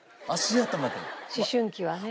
思春期はね。